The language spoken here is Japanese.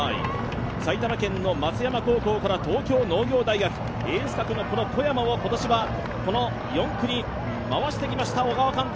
埼玉県の松山高校から東京農業大学エース格の小山を今年は４区に回してきました小川監督。